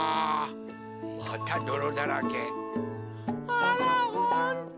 あらほんと。